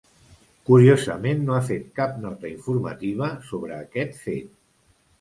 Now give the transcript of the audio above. Curiosament, no ha fet cap nota informativa sobre aquest fet.